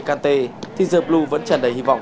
kante thì giờ blue vẫn chẳng đầy hy vọng